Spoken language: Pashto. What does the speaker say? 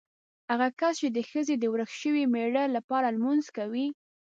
هغه کس چې د ښځې د ورک شوي مېړه لپاره لمونځ کوي.